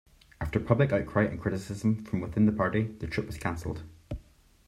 After public outcry, and criticism from within the party, the trip was cancelled.